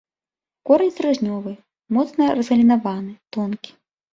Корань стрыжнёвы, моцна разгалінаваны, тонкі.